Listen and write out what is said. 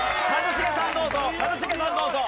一茂さんどうぞ。